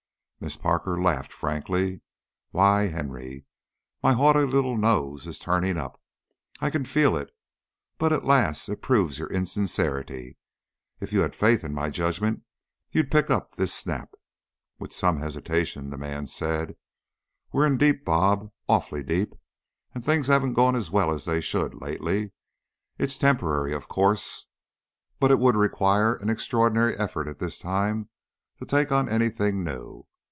Miss Parker laughed frankly. "Why, Henry! My haughty little nose is turning up I can feel it. But, alas! it proves your insincerity. If you had faith in my judgment you'd pick up this snap." With some hesitation the man said: "We're in deep, 'Bob.' Awfully deep! And things haven't gone as well as they should, lately. It's temporary, of course, but it would require an extraordinary effort at this time to take on anything new.